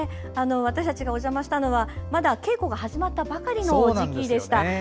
私たちがお邪魔したのはまだ稽古が始まったばかりの時期でした。